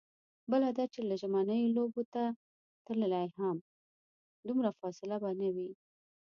بله دا چې که ژمنیو لوبو ته تللې هم، دومره فاصله به نه وي.